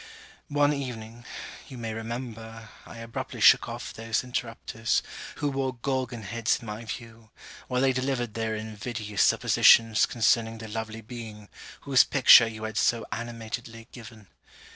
One evening, you may remember, I abruptly shook off those interrupters, who wore gorgon heads in my view, while they delivered their invidious suppositions concerning the lovely being, whose picture you had so animatedly given.